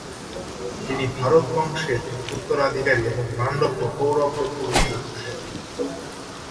তিনি ভারত বংশের উত্তরাধিকারী এবং পাণ্ডব ও কৌরবদের পূর্বপুরুষ।